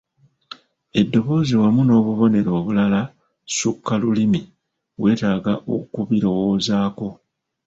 Eddoboozi wamu n’obunero obulala ssukkalulimi weetaaga okubirowoozaako.